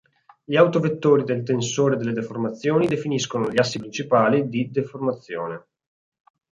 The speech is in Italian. Gli autovettori del tensore delle deformazioni definiscono gli assi principali di deformazione.